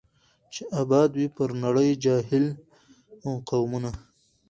چي آباد وي پر نړۍ جاهل قومونه